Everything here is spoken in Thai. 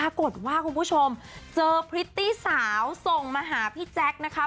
คุณผู้ชมเจอพริตตี้สาวส่งมาหาพี่แจ๊คนะคะ